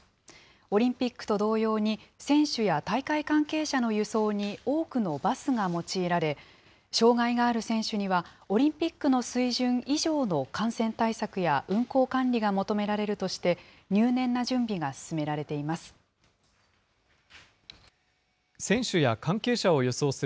オリンピックと同様に、選手や大会関係者の輸送に多くのバスが用いられ、障害がある選手には、オリンピックの水準以上の感染対策や運行管理が求められるとして、入念な準備が進められています。